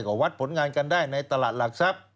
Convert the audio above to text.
ก็วัดผลงานกันได้ในตลาดหลักทรัพย์